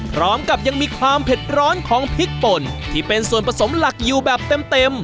พร้อมกับยังมีความเผ็ดร้อนของพริกป่นที่เป็นส่วนผสมหลักอยู่แบบเต็ม